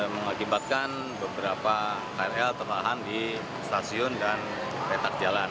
mengakibatkan beberapa krl tertahan di stasiun dan petak jalan